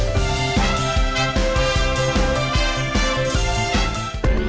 โปรดติดตามตอนต่อไป